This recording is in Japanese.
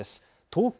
東京